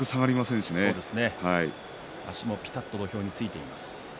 足もぴたっと土俵についています。